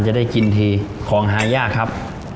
จะได้กินทีของหายากครับ